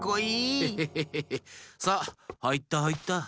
さあはいったはいった。